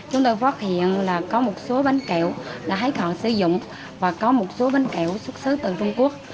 chúng tôi phát hiện là có một số bánh kẹo đã hết hạn sử dụng và có một số bánh kẹo xuất xứ từ trung quốc